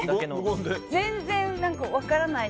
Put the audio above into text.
全然、分からない。